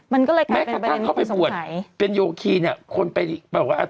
มันก็เลยกลายเป็นประเด็นที่คุณสงสัยแม้กระทั่งเข้าไปปวดเป็นโยคีเนี่ย